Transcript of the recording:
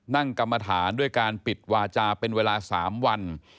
กรรมฐานด้วยการปิดวาจาเป็นเวลา๓วัน